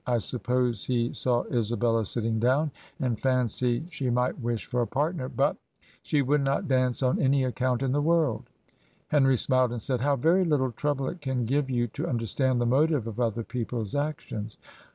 I suppose he saw Isabella sitting down, and fan cied she might wish for a partner, but ... she would not dance on any account in the world/ Henry smiled and said, 'How very Uttle trouble it can give you to imderstand the motive of other people's actions.'